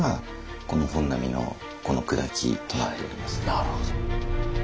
なるほど。